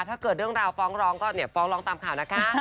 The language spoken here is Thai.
ถ้าเกิดเรื่องราวฟ้องร้องก็เนี่ยฟ้องร้องตามข่าวนะคะ